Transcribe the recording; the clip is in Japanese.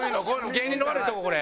芸人の悪いとここれ。